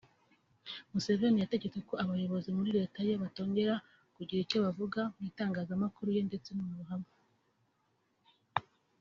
Museveni yategetse ko abayobozi muri leta ye batongera kugira icyo bavuga mu itangazamakuru ndetse no mu ruhame